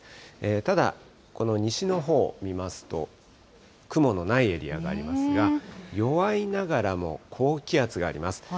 ただ、この西のほうを見ますと、雲のないエリアがありますが、弱いながらも高気圧があります。